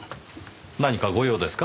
何かご用ですか？